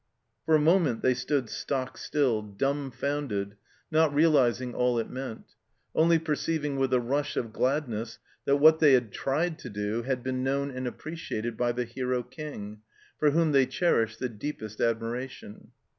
For a moment they stood stock still, dumb 906 SHELLED OUT 207 founded, not realizing all it meant, only perceiving with a rush of gladness that what they had tried to do had been known and appreciated by the hero King, for whom they cherished the deepest admiration.